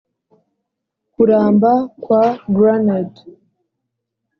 kuramba kwa granite;